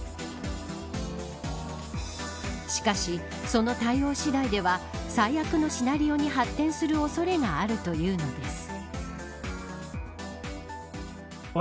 しかし、その対応次第では最悪のシナリオに発展する恐れがあるというのです。